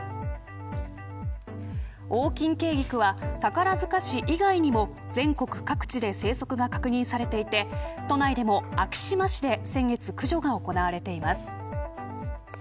オオキンケイギクは宝塚市以外にも全国各地で生息が確認されていて都内でも昭島市で先月駆除が行われています。